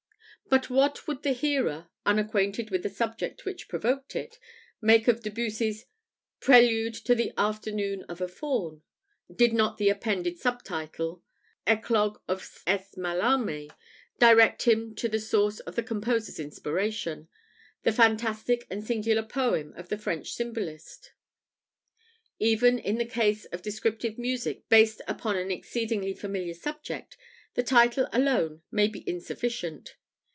But what would the hearer, unacquainted with the subject which provoked it, make of Debussy's "Prelude to 'The Afternoon of a Faun,'" did not the appended sub title "Eclogue of S. Mallarmé" direct him to the source of the composer's inspiration, the fantastic and singular poem of the French symbolist? Even in the case of descriptive music based upon an exceedingly familiar subject, the title alone may be insufficient.